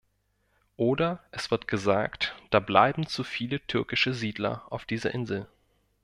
Oder es wird gesagt, da bleiben zu viele türkische Siedler auf dieser Insel.